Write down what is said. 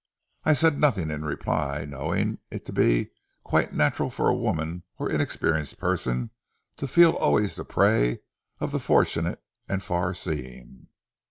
I said nothing in reply, knowing it to be quite natural for a woman or inexperienced person to feel always the prey of the fortunate and far seeing.